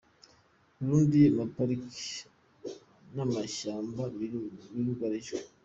Burundi Amapariki n’amashyamba birugarijwe